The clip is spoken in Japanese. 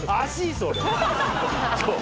そう。